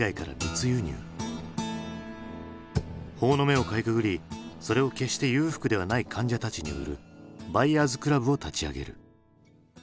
法の目をかいくぐりそれを決して裕福ではない患者たちに売るバイヤーズクラブを立ち上げる。